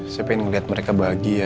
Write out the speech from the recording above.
saya pengen ngeliat mereka bahagia